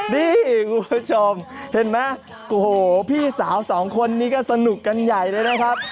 นี่คุณผู้ชมเห็นไหมโอ้โหพี่สาวสองคนนี้ก็สนุกกันใหญ่เลยนะครับ